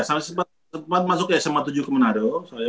sempet masuk smp tujuh ke manado